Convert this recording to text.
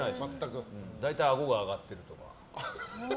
大体あごが上がってるとか。